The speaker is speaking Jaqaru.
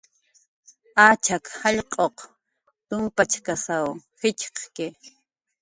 Achak jallq'uq tumpachkasw jitxqki